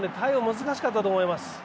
難しかったと思います。